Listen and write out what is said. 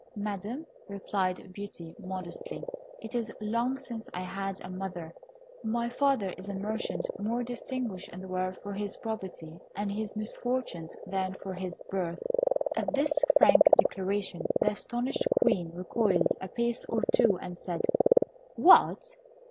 "Madam," replied Beauty, modestly, "it is long since I had a mother; my father is a merchant more distinguished in the world for his probity and his misfortunes than for his birth." At this frank declaration, the astonished Queen recoiled a pace or two, and said, "What!